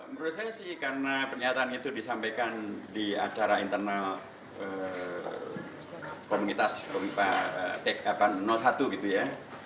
menurut saya sih karena pernyataan itu disampaikan di acara internal komunitas satu gitu ya